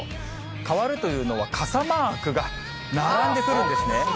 変わるというのは、傘マークが並んでくるんですね。